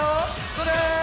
それ！